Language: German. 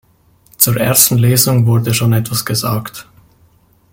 Zur ersten Lesung wurde schon etwas gesagt.